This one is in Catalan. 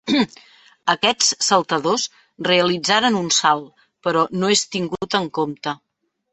Aquests saltadors realitzaren un salt però no és tingut en compte.